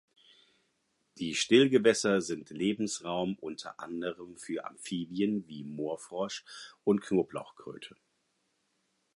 Die Stillgewässer sind Lebensraum unter anderem für Amphibien wie Moorfrosch und Knoblauchkröte.